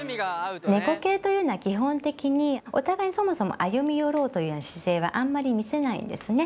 猫系というのは基本的にお互いにそもそも歩み寄ろうという姿勢はあんまり見せないんですね。